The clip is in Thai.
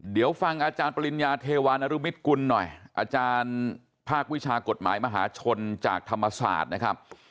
เดี๋ยวฟังอาจารย์ปริญญาเทวานรุมิตกุลหน่อยอาจารย์ภาควิชากฎหมายมหาชนจากธรรมศาสตร์นะครับ